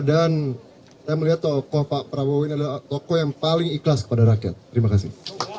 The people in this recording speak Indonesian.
dan saya melihat tokoh pak prabowo ini adalah tokoh yang paling ikhlas kepada rakyat terima kasih